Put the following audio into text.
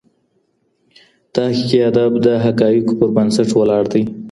تحقیقي ادب د حقایقو پر بنسټ ولاړ وي.